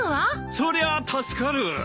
そりゃあ助かる！